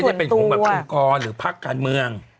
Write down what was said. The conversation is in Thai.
ไม่ใช่เป็นของคุณกรหรือพักการเมือง